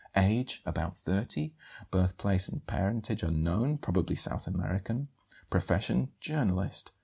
Age, about 30; birthplace and parentage, unknown, probably South American; profession, journalist.